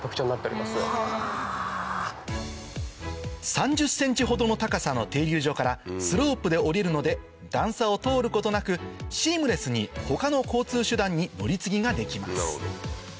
３０ｃｍほどの高さの停留場からスロ−プで下りるので段差を通ることなくシームレスに他の交通手段に乗り継ぎができます